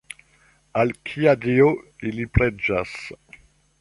Al kia dio ili preĝas?